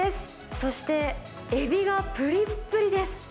そしてエビがぷりっぷりです。